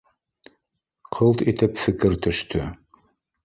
Ҡылт итеп фекер төштө